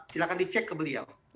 silahkan dicek ke beliau